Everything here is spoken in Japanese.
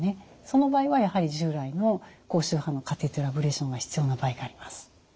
その場合はやはり従来の高周波のカテーテルアブレーションが必要な場合があります。